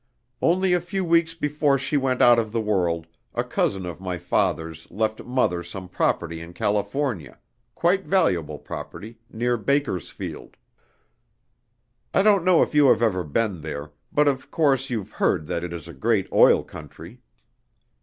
"Only a few weeks before she went out of the world, a cousin of my father's left Mother some property in California, quite valuable property, near Bakersfield. I don't know if you have ever been there, but of course you've heard that it is a great oil country.